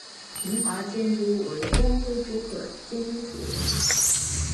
平滑间蛛为光盔蛛科间蛛属的动物。